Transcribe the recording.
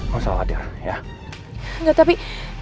masalah ada ya enggak tapi